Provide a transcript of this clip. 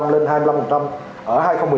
một mươi hai lên hai mươi năm